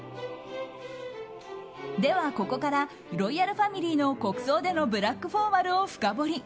では、ここからロイヤルファミリーの国葬スタイルでのブラックフォーマルを深掘り。